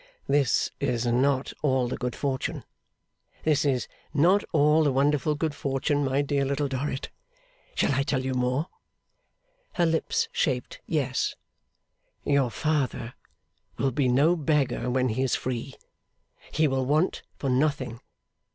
'This is not all the good fortune. This is not all the wonderful good fortune, my dear Little Dorrit. Shall I tell you more?' Her lips shaped 'Yes.' 'Your father will be no beggar when he is free. He will want for nothing.